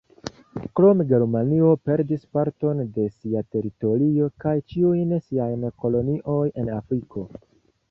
Krome Germanio perdis parton de sia teritorio kaj ĉiujn siajn koloniojn en Afriko.